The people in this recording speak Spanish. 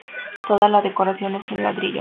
Toda la decoración es en ladrillo.